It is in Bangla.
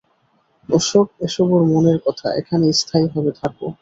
এসব ওর মনের কথা, এখানে স্থায়ীভাবে থাকো।